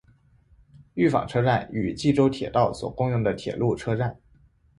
御坊车站与纪州铁道所共用的铁路车站。